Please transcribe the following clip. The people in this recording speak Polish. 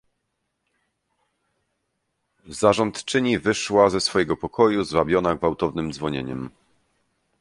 "Zarządczyni wyszła ze swojego pokoju, zwabiona gwałtownem dzwonieniem."